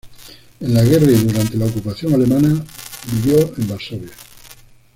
En la guerra y durante la ocupación alemana vivió en Varsovia.